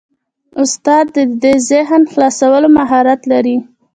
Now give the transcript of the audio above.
استاد د ذهن خلاصولو مهارت لري.